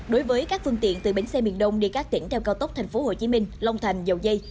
đối với các phương tiện từ bến xe miền đông đi các tiện theo cao tốc tp hcm long thành dầu dây